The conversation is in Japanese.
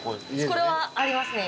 これはありますね。